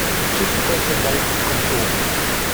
Wszystko się dla niego skończyło!